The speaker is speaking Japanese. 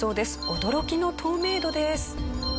驚きの透明度です。